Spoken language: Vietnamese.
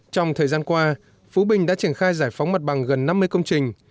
trong thời gian qua phú bình đã triển khai giải phóng mặt bằng gần năm mươi công trình